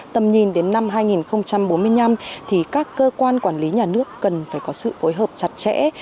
tầm nhìn đến năm hai nghìn bốn mươi năm thì các cơ quan quản lý nhà nước cần phải có sự phối hợp chặt chẽ